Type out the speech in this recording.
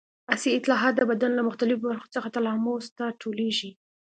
حسي اطلاعات د بدن له مختلفو برخو څخه تلاموس ته ټولېږي.